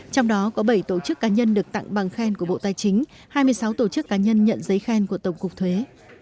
trong đó có bảy tổ chức cá nhân được tặng bằng khen của bộ tài chính hai mươi sáu tổ chức cá nhân nhận giấy khen của tổng cục thuế